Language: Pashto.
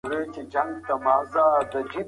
کوم خواړه د ټیټ مغذي ارزښت لري؟